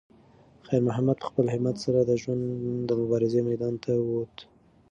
خیر محمد په خپل همت سره د ژوند د مبارزې میدان ته وووت.